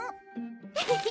フフフ！